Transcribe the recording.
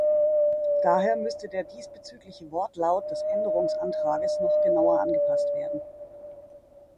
Daher müsste der diesbezügliche Wortlaut des Änderungsantrags noch genauer angepasst werden.